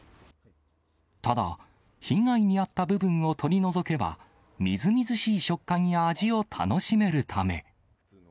ただ、被害に遭った部分を取り除けば、みずみずしい食感や味を楽しめるため。